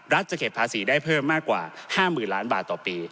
จะเก็บภาษีได้เพิ่มมากกว่า๕๐๐๐ล้านบาทต่อปี